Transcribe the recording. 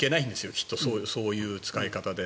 きっとそういう使い方で。